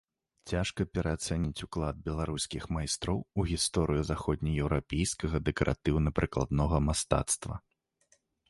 Цяжка пераацаніць уклад беларускіх майстроў у гісторыю заходнееўрапейскага дэкаратыўна-прыкладнога мастацтва.